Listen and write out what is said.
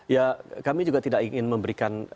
ya kami juga tidak ingin memberikan